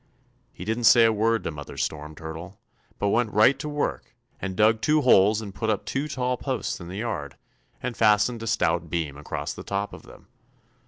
He didn't say a word to Mother Storm Turtle, but went right to work and dug two holes and put up two tall posts in the yard and fastened a stout beam across the top of them.